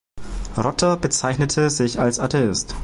Rotter bezeichnete sich als Atheist.